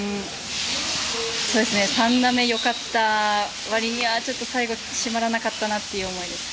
３打目、よかったわりにはちょっと最後締まらなかったなという思いです。